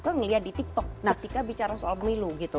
mereka suka melihat di tiktok ketika bicara soal milu gitu